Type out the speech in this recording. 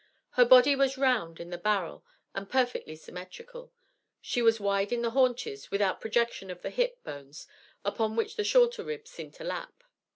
Her body was round in the barrel and perfectly symmetrical. She was wide in the haunches, without projection of the hip bones, upon which the shorter ribs seemed to lap.